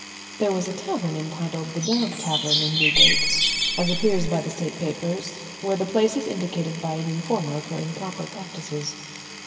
There was a tavern entitled the "Dogge Tavern in Newgate," as appears by the State Papers, where the place is indicated by an informer for improper practices.